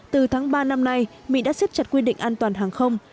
từ tháng ba năm nay mỹ đã xếp chặt quy định an toàn hàng không